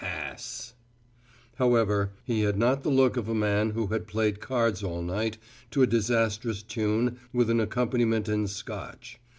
"Ass!" However, he had not the look of a man who had played cards all night to a disastrous tune with an accompaniment in Scotch.